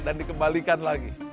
dan dikembalikan lagi